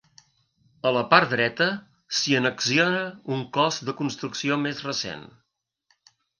A la part dreta s'hi annexiona un cos de construcció més recent.